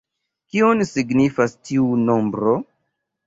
Kion signifas tiu nombro?